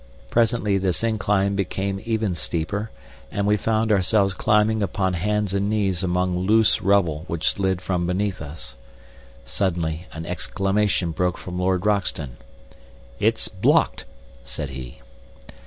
Presently this incline became even steeper, and we found ourselves climbing upon hands and knees among loose rubble which slid from beneath us. Suddenly an exclamation broke from Lord Roxton. "It's blocked!" said he.